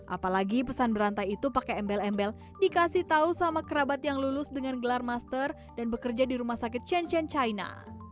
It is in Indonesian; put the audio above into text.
apalagi pesan berantai itu pakai embel embel dikasih tahu sama kerabat yang lulus dengan gelar master dan bekerja di rumah sakit chenchen china